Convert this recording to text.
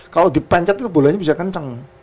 kalau dipencet itu bulanya bisa kenceng